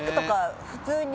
普通に。